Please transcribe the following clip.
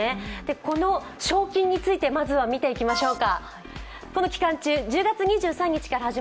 この賞金についてまずは見ていきましょうか。